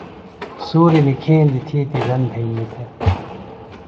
سوریۡ نِکھیندیۡ تھی دیدن تھئینی تھےۡ۔